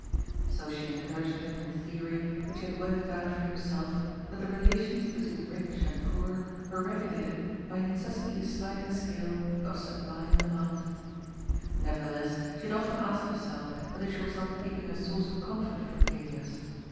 So she encour aged him in the theory which he had worked out for him self that the relations between rich and poor were regulated by an incessantly sliding scale of supply and demand. 268 GOD'S POOL. Nevertheless she had often asked herself whether she was not keeping a source of comfort from Elias.